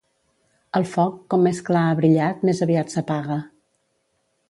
El foc, com més clar ha brillat, més aviat s'apaga.